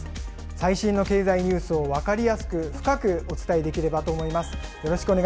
最新の経済ニュースを分かりやすく、深くお伝えできればと思います。